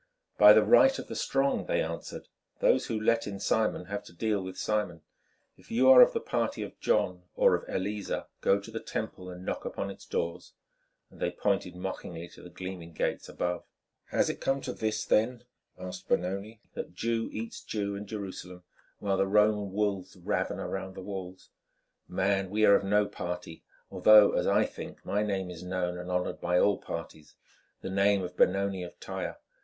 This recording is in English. "By the right of the strong," they answered. "Those who let in Simon have to deal with Simon. If you are of the party of John or of Eleazer go to the Temple and knock upon its doors," and they pointed mockingly to the gleaming gates above. "Has it come to this, then," asked Benoni, "that Jew eats Jew in Jerusalem, while the Roman wolves raven round the walls? Man, we are of no party, although, as I think, my name is known and honoured by all parties—the name of Benoni of Tyre.